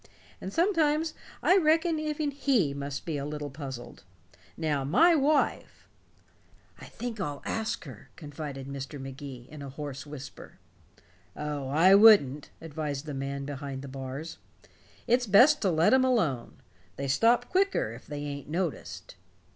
And sometimes I reckon even He must be a little puzzled. Now, my wife " "I think I'll ask her," confided Mr. Magee in a hoarse whisper. "Oh, I wouldn't," advised the man behind the bars. "It's best to let 'em alone. They stop quicker if they ain't noticed."